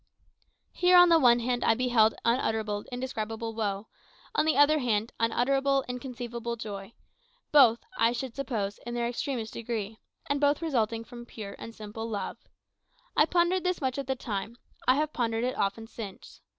Here, on the one hand, I beheld unutterable, indescribable woe; on the other hand, unutterable, inconceivable joy both, I should suppose, in their extremest degree, and both resulting from pure and simple love. I pondered this much at the time; I have pondered it often since.